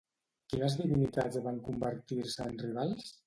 Quines divinitats van convertir-se en rivals?